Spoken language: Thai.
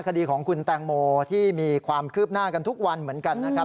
คดีของคุณแตงโมที่มีความคืบหน้ากันทุกวันเหมือนกันนะครับ